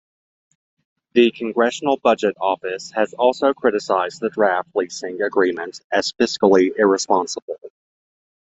The Congressional Budget Office has also criticized the draft leasing agreement as fiscally irresponsible.